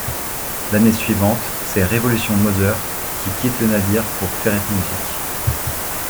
L'année suivante c'est Revolution Mother qui quitte le navire pour Ferret Music.